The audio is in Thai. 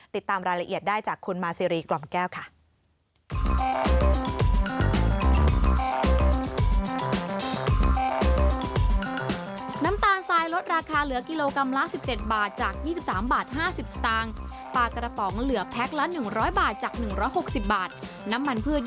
ติดตามรายละเอียดได้จากคุณมาซีรีกล่อมแก้วค่ะ